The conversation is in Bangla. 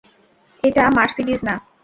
এটা মার্সিডিজ না।